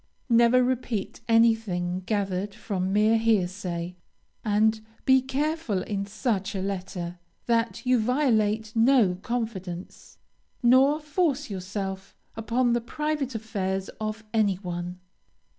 Never repeat anything gathered from mere hearsay, and be careful, in such a letter, that you violate no confidence, nor force yourself upon the private affairs of any one.